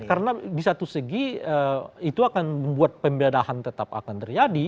karena di satu segi itu akan membuat pembedahan tetap akan terjadi